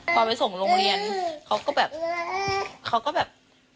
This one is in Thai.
พอไปส่งโรงเรียนเขาก็แบบเขาก็แบบ